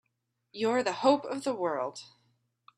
You're the hope of the world!